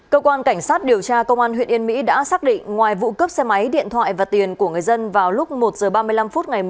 cơ quan cảnh sát điều tra công an huyện yên mỹ đã xác định ngoài vụ cướp xe máy điện thoại và tiền của người dân vào lúc một h ba mươi năm phút ngày một mươi chín tháng tám